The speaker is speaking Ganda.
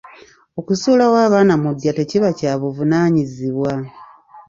Okusuulawo abaana mu ddya tekiba kya buvunaanyizibwa